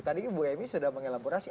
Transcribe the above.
tadi bu emy sudah mengelaborasi